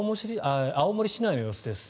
青森市内の様子です。